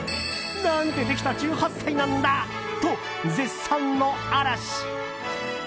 何てできた１８歳なんだと、絶賛の嵐。